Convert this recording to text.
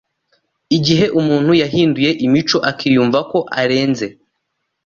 igihe umuntu yahinduye imico, akiyumva ko arenze